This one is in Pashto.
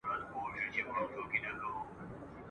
کښت يې زهراوی